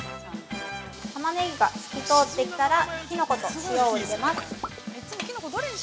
◆タマネギが透き通ってきたらきのこと塩を入れます。